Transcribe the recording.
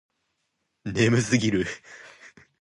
眠すぎる